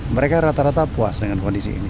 mereka rata rata puas dengan kondisi ini